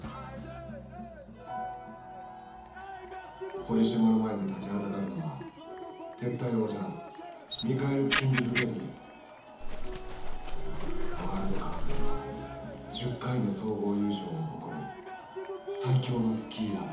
堀島の前に立ちはだかるのは絶対王者ワールドカップ１０回の総合優勝を誇る最強のスキーヤーだ。